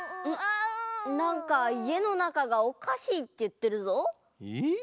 なんかいえのなかがおかしいっていってるぞ。え？